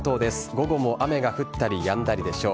午後も雨が降ったりやんだりでしょう。